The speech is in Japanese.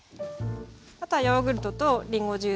あとはヨーグルトとりんごジュース。